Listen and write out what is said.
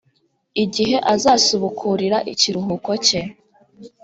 igihe azasubukurira ikiruhuko cye